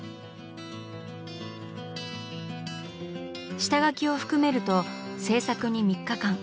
下描きを含めると制作に３日間。